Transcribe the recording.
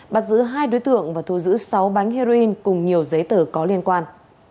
bắt giữ hai đối tượng và thu giữ sáu bánh heroin cùng nhiều giấy tờ có liên quan